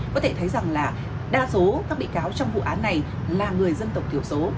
có thể thấy rằng là đa số các bị cáo trong vụ án này là người dân tộc thiểu số